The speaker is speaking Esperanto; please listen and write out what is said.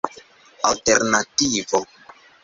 alternativo